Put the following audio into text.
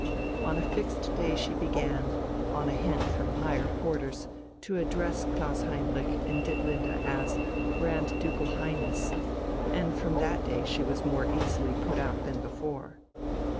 On a fixed day she began, on a hint from higher quarters, to address Klaus Heinrich and Ditlinde as "Grand Ducal Highness," and from that day she was more easily put out than before....